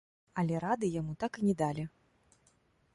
Але рады яму так і не далі.